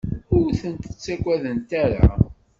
Ur tent-ttagadent ara.